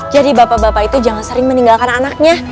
jadi bapak bapak itu jangan sering meninggalkan anaknya